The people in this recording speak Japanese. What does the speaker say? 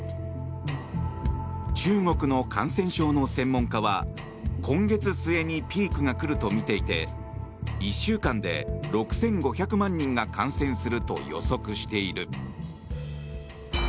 中国の感染症の専門家は今月末にピークが来るとみていて１週間で６５００万人が感染すると予測している。